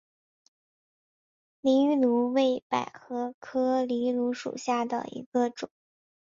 藜芦为百合科藜芦属下的一个种。